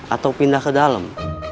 atau pindah ke dalem